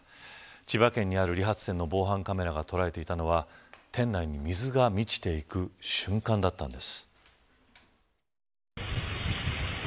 千葉県にある理髪店の防犯カメラが捉えていたのは店内に水が満ちていく瞬間だったんです。